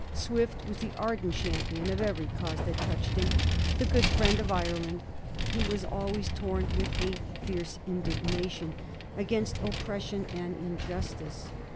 Swift was the ardent champion of every cause that touched him ; the good friend of Ireland: he was al ways torn with '* fierce indignation" against oppression and injustice.